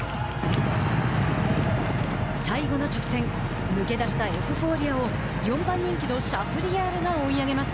最後の直線抜け出したエフフォーリアを４番人気のシャフリヤールが追い上げます。